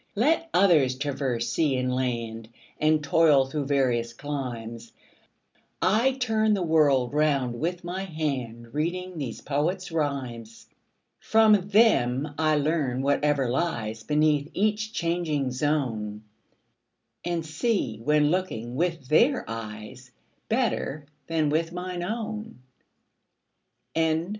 Let others traverse sea and land, And toil through various climes, 30 I turn the world round with my hand Reading these poets' rhymes. From them I learn whatever lies Beneath each changing zone, And see, when looking with their eyes, 35 Better than with mine own. H. W.